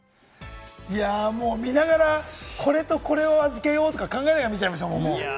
もう見ながら、これとこれを預けようって考えながら見ちゃいましたもん。